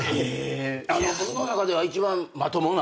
僕の中では一番まともな方。